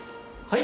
はい。